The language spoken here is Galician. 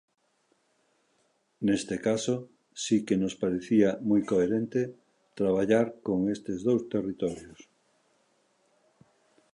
Neste caso, si que nos parecía moi coherente traballar con estes dous territorios.